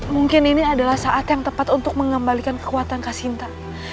mungkin ini adalah saat yang tepat untuk mengembalikan kekuatan kasinta